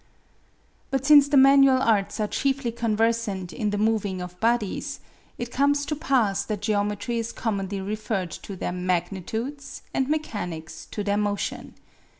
But since the manual arts are chiefly conversant in the moving of bodies, it comes to pass that geometry is commonly referred to their magnitudes, and mechanics to their motion.